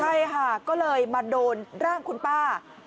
ใช่ค่ะก็เลยมาโดนร่างคุณป้า